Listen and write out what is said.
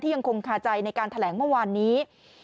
ยังคงคาใจในการแถลงเมื่อวานนี้